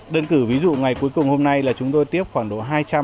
đơn cử ví dụ ngày cuối cùng hôm nay là chúng tôi tiếp khoảng độ hai trăm linh